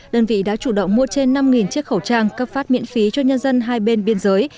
đơn vị đã chủ động mua trên năm chiếc khẩu trang cấp phát miễn phí cho nhân dân hai bên biên giới